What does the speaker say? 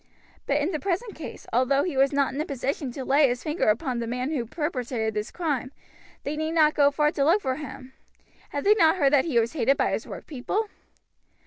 But in the present case, although he was not in a position to lay his finger upon the man who perpetrated this crime, they need not go far to look for him. Had they not heard that he was hated by his workpeople?